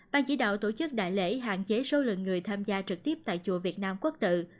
ban chỉ đạo tổ chức đại lễ hạn chế số lượng người tham gia trực tiếp tại chùa việt nam quốc tự